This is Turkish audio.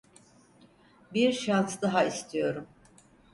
Bir şans daha istiyorum.